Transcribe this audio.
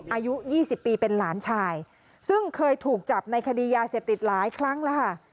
อายุ๒๐ปีเป็นหลานชายซึ่งเคยถูกจับในคดียาเสพติดหลายครั้งแล้วค่ะ